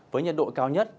với nhật độ cao nhất